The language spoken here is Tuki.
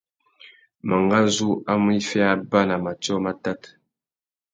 Mangazu a mú iffê abà na matiō matát.